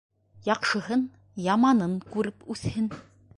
Яҡшыһын, яманын күреп үҫһен.